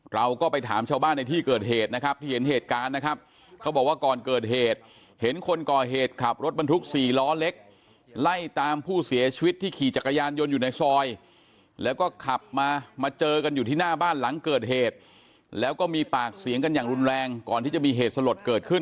เราก็ไปถามชาวบ้านในที่เกิดเหตุนะครับที่เห็นเหตุการณ์นะครับเขาบอกว่าก่อนเกิดเหตุเห็นคนก่อเหตุขับรถบรรทุกสี่ล้อเล็กไล่ตามผู้เสียชีวิตที่ขี่จักรยานยนต์อยู่ในซอยแล้วก็ขับมามาเจอกันอยู่ที่หน้าบ้านหลังเกิดเหตุแล้วก็มีปากเสียงกันอย่างรุนแรงก่อนที่จะมีเหตุสลดเกิดขึ้น